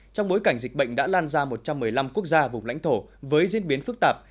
trong bối cảnh dịch bệnh đã lan ra một trăm một mươi năm quốc gia vùng lãnh thổ với diễn biến phức tạp